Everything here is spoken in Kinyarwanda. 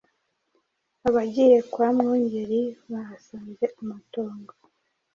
Abagiye kwa Mwungeri bahasanze amatongo